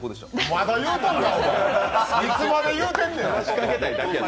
まだ言うとんのか、いつまで言うてんねん！